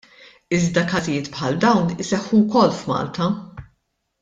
Iżda każijiet bħal dawn iseħħu wkoll f'Malta!